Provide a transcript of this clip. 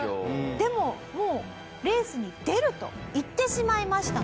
でももう「レースに出る」と言ってしまいましたので。